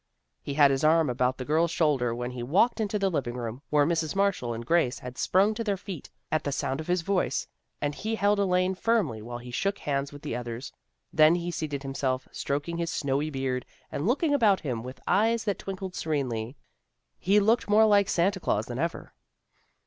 He had his arm about the girl's shoulder when he walked into the living room, where Mrs. Marshall and Grace had sprung to their feet at the sound of his voice, and he held Elaine firmly while he shook hands with the others. Then he seated himself, stroking his snowy beard, and looking about him with eyes that twinkled serenely. He looked more like Santa Glaus than ever.